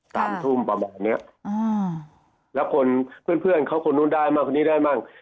ตามทุ่มประมาณนี้แล้วเพื่อนเขาคนนู้นได้มาคนนี้ได้มั่ง